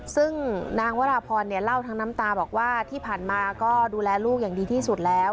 ซึ่งนางวราพรเล่าทั้งน้ำตาบอกว่าที่ผ่านมาก็ดูแลลูกอย่างดีที่สุดแล้ว